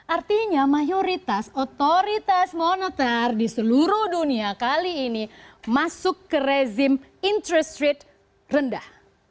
artinya mayoritas otoritas moneter di seluruh dunia kali ini masuk ke rezim interest rate rendah